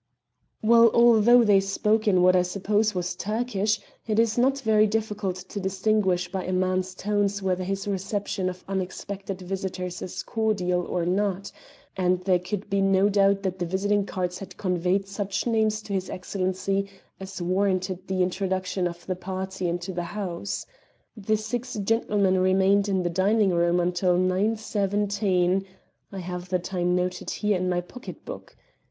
"Well, although they spoke in what I suppose was Turkish, it is not very difficult to distinguish by a man's tones whether his reception of unexpected visitors is cordial or not, and there could be no doubt that the visiting cards had conveyed such names to his Excellency as warranted the introduction of the party into the house. The six gentlemen remained in the dining room until 9.17 (I have the time noted here in my pocket book).